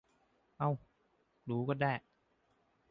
เอ้า รู้ก็ได้